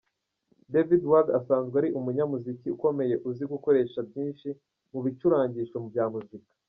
David Wald asanzwe ari umunyamuziki ukomeye uzi gukoresha byinshi mu bicurangisho bya muzika.